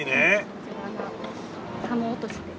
こちらがハモ落としです。